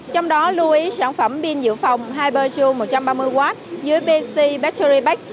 trong đó lưu ý sản phẩm pin dự phòng hyperjune một trăm ba mươi w dưới pc battery pack